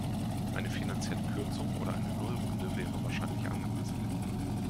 Eine finanzielle Kürzung oder eine Nullrunde wäre wahrscheinlich angemessener.